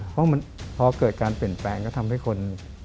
เพราะมันพอเกิดการเปลี่ยนแปลงก็ทำให้คน